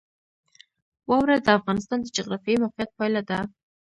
واوره د افغانستان د جغرافیایي موقیعت پایله ده.